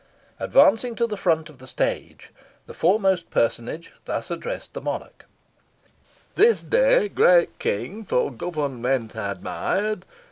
Advancing to the front of the stage, the foremost personage thus addressed the Monarch "This day great King for government admired!